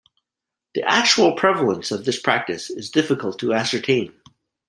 The actual prevalence of this practice is difficult to ascertain.